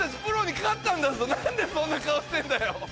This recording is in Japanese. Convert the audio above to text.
なんでそんな顔してんだよ？